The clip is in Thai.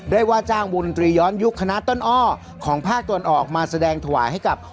ว่าจ้างวงดนตรีย้อนยุคคณะต้นอ้อของภาคตะวันออกมาแสดงถวายให้กับ